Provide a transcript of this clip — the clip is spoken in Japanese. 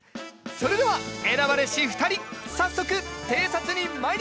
それでは選ばれし２人早速偵察に参りましょう！